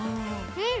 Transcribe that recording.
うん！